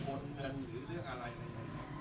หรือเรื่องอะไรกัน